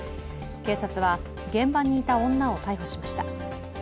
警察は現場にいた女を逮捕しました。